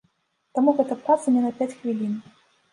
Таму гэта праца не на пяць хвілін.